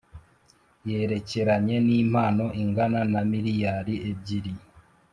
Yerekeranye n impano ingana na miliyari ebyiri